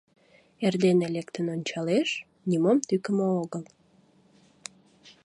Эрдене лектын ончалеш — нимом тӱкымӧ огыл.